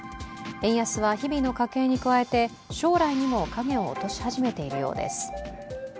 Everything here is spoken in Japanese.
円安は日々の家計に加えて将来にも影を落し始めているようです。